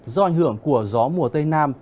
do ảnh hưởng của gió mùa tây nam